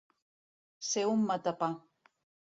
Ser un matapà.